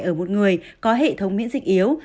ở một người có hệ thống miễn dịch yếu